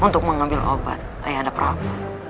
untuk mengambil obat ayah anda prabu